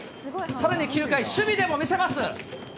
さらに９回、守備でも見せます。